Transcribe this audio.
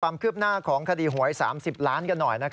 ความคืบหน้าของคดีหวย๓๐ล้านกันหน่อย